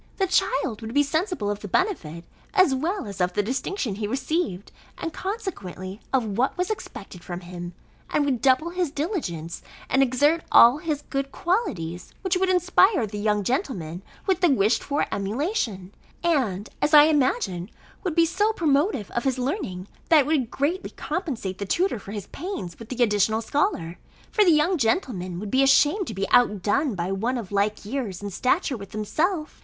The child would be sensible of the benefit, as well as of the distinction, he received, and consequently of what was expected from him, and would double his diligence, and exert all his good qualities, which would inspire the young gentleman with the wished for emulation, and, as I imagine, would be so promotive of his learning, that it would greatly compensate the tutor for his pains with the additional scholar; for the young gentleman would be ashamed to be outdone by one of like years and stature with himself.